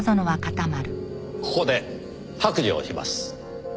ここで白状します。